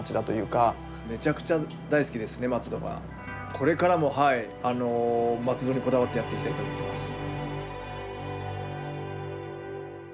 これからも松戸にこだわってやっていきたいと思ってます。